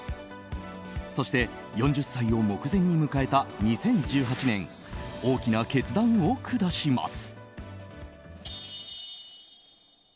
そして４０歳を目前に迎えた２０１８年大きな決断を下します。